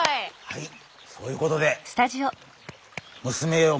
はいそういうことでむすめよ